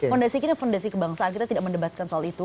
fondasi kita fondasi kebangsaan kita tidak mendebatkan soal itu